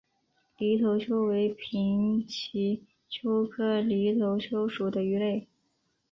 犁头鳅为平鳍鳅科犁头鳅属的鱼类。